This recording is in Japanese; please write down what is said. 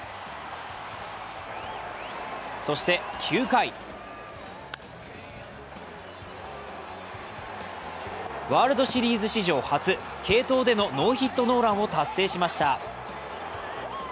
そして９回ワールドシリーズ初、継投でのノーヒットノーランを達成しました。